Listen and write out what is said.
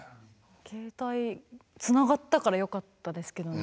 携帯つながったからよかったですけどね。